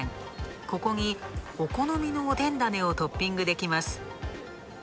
ここにお好みのおでん種をトッピングできます。